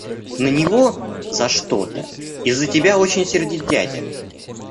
На него за что-то из-за тебя очень сердит дядя.